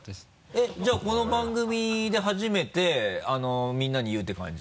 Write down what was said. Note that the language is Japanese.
えっじゃあこの番組で初めてみんなに言うって感じ？